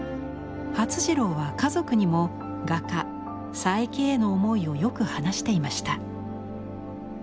發次郎は家族にも画家佐伯への思いをよく話していました。